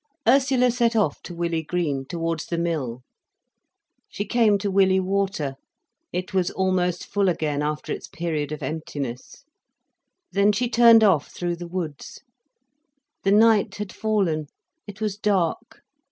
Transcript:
Ursula set off to Willey Green, towards the mill. She came to Willey Water. It was almost full again, after its period of emptiness. Then she turned off through the woods. The night had fallen, it was dark.